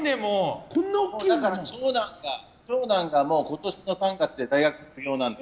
長男が今年の３月で大学卒業なんです。